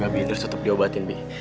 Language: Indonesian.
gabi ini harus tetap diobatin bi